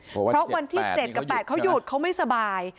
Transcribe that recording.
เพราะวันที่๗กับ๘เขาหยุดเขาไม่สบาย